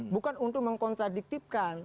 bukan untuk mengkontradiktifkan